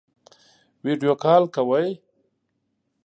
ویډیو کال کوئ؟